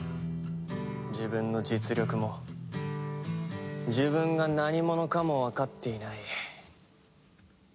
自分の実力も自分が何者かもわかっていない。